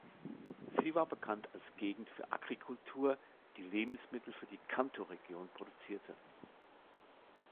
Sie war bekannt als Gegend für Agrikultur, die Lebensmittel für die Kantō-Region produzierte.